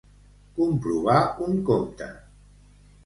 Comprovar un compte.